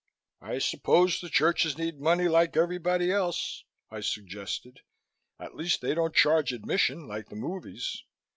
"I suppose the churches need money like everybody else," I suggested. "At least they don't charge admission like the movies."